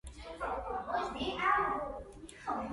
მოწინააღმდეგემ დაიხია საკუთარი ულუსის ტერიტორიაზე.